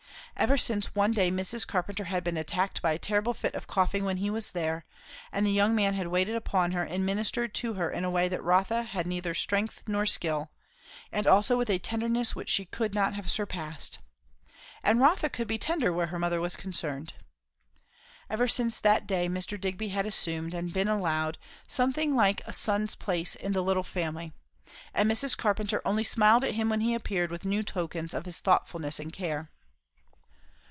Ever since one day Mrs. Carpenter had been attacked by a terrible fit of coughing when he was there; and the young man had waited upon her and ministered to her in a way that Rotha had neither strength for nor skill, and also with a tenderness which she could not have surpassed. And Rotha could be tender where her mother was concerned. Ever since that day Mr. Digby had assumed, and been allowed, something like a son's place in the little family; and Mrs. Carpenter only smiled at him when he appeared with new tokens of his thoughtfulness and care.